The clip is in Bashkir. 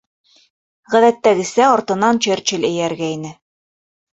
Ғәҙәттәгесә артынан Черчилль эйәргәйне.